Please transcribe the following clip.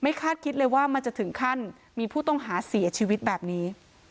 คาดคิดเลยว่ามันจะถึงขั้นมีผู้ต้องหาเสียชีวิตแบบนี้